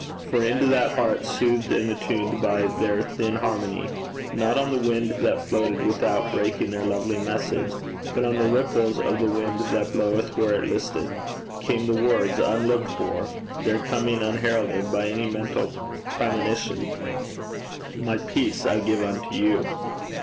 For into that heart, soothed and attuned by their thin harmony, not on the wind that floated without breaking their lovely message, but on the ripples of the wind that bloweth where it listeth, came the words, unlooked for, their coming unheralded by any mental premonition, 'My peace I give unto you.'